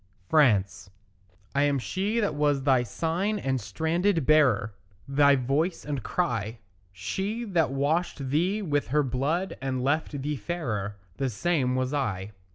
FRANCE I am she that was thy sign and standard bearer, Thy voice and cry; She that washed thee with her blood and left thee fairer, The same was I.